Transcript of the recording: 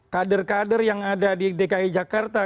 kader kader yang ada di dki jakarta